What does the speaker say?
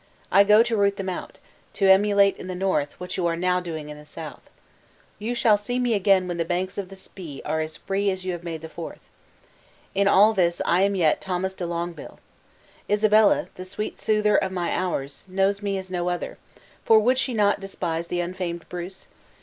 I go to root them out; to emulate in the north, what you are now doing in the south! You shall see me again when the banks of the Spey are as free as you have made the Forth. In all this I am yet Thomas de Longueville. Isabella, the sweet soother of my hours, knows me as no other; for would she not despise the unfamed Bruce?